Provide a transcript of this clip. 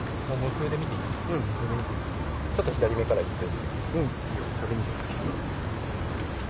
ちょっと左めから行くと。